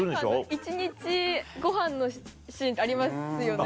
一日ごはんのシーンありますよね。